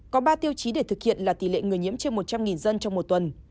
có ba tiêu chí để thực hiện là tỷ lệ người nhiễm trên một trăm linh dân trong một tuần